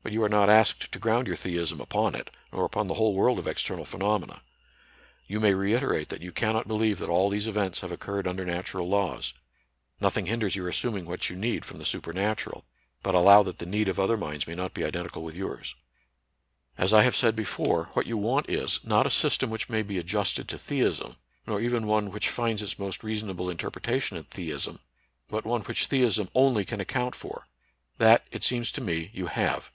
But you are not asked to ground your theism upon it, nor upon the whole world of external phenomena. You may reiterate that you cannot believe that aU these events have occurred under natural laws. Nothing hinders your assuming what you need from the supernatural ; but * Clifford, Sunday Lectures, quoted in The Spectator. NATURAL SCIENCE AND RELIGION. 91 allow that the need of other minds may not be identical with yours. As I have said before, what you want is, not a system which may be adjusted to theism, nor even one which finds its most reasonable inter pretation in theism, but one which theism only can account for. That, it seems to me, you have.